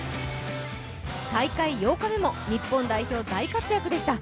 大会８日目も日本代表、大活躍でした。